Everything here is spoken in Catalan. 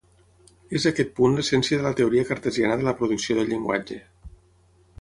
És aquest punt l'essència de la Teoria Cartesiana de la producció del llenguatge.